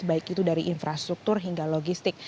baik itu dari infrastruktur hingga logistik